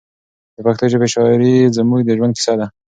د پښتو ژبې شاعري زموږ د ژوند کیسه ده.